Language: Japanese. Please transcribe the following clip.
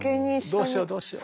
どうしようどうしよう。